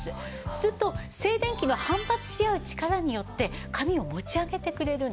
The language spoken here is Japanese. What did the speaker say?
すると静電気の反発し合う力によって髪を持ち上げてくれるんです。